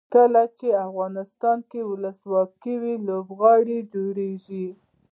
کله چې افغانستان کې ولسواکي وي لوبغالي جوړیږي.